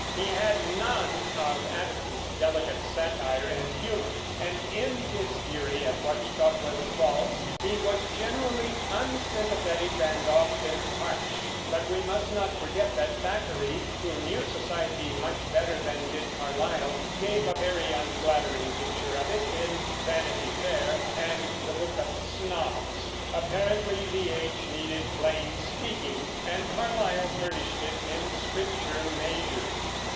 He had none of Addison's delicate satire and humor, and in his fury at what he thought was false he was generally unsympathetic and often harsh; but we must not forget that Thackeray who knew society much better than did Carlyle gave a very unflattering picture of it in Vanity Fair and The Book of Snobs. Apparently the age needed plain speaking, and Carlyle furnished it in scripture measure.